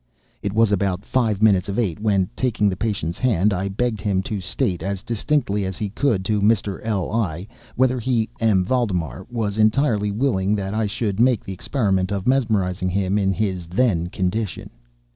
It wanted about five minutes of eight when, taking the patient's hand, I begged him to state, as distinctly as he could, to Mr. L—l, whether he (M. Valdemar) was entirely willing that I should make the experiment of mesmerizing him in his then condition.